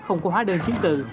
không có hóa đơn chiến tự